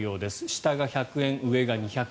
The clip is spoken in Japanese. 下が１００円、上が２００円。